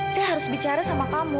saya harus bicara sama kamu